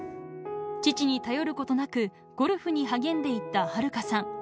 父に頼ることなく、ゴルフに励んでいった遥加さん。